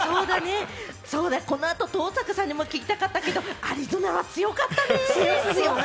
この後、登坂さんにも聞きたかったけれどアリゾナは強かったね！